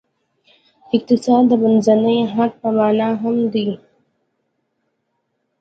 اقتصاد د منځني حد په معنا هم دی.